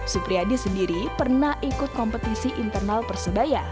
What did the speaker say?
supriyadi sendiri pernah ikut kompetisi internal persebaya